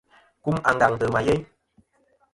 Kum àngaŋtɨ ma yeyn.